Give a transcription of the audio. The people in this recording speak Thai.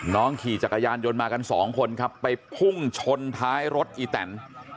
ขี่จักรยานยนต์มากันสองคนครับไปพุ่งชนท้ายรถอีแตน